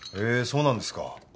そうなんですか。